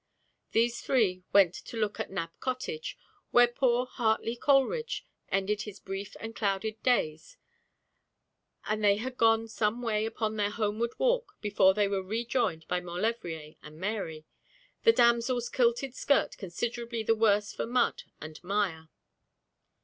These three went to look at Nab Cottage, where poor Hartley Coleridge ended his brief and clouded days; and they had gone some way upon their homeward walk before they were rejoined by Maulevrier and Mary, the damsel's kilted skirt considerably the worse for mud and mire.